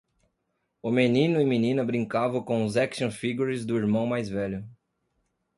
O menino e menina brincavam com os action figures do irmão mais velho.